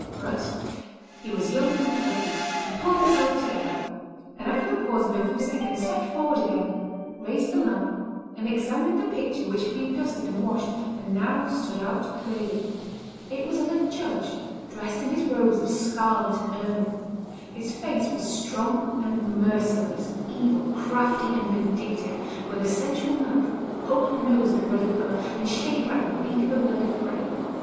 But he was young and plucky, and pulled himself together, and after the pause of a few seconds stepped forward again, raised the lamp, and examined the picture which had been dusted and washed, and now stood out clearly. It was of a judge dressed in his robes of scarlet and ermine. His face was strong and merciless, evil, crafty, and vindictive, with a sensual mouth, hooked nose of ruddy colour, and shaped like the beak of a bird of prey.